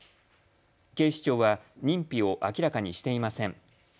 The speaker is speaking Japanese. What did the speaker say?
警視庁は認否を明らかにしていません。